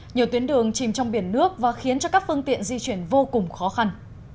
nhiều tuyến đường chìm trong biển nước và khiến cho các phương tiện di chuyển vô cùng khó khăn